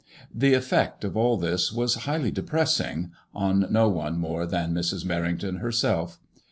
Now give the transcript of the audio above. The efTect of all this was highly depressing, on no one more than Mrs. Mer rington herself.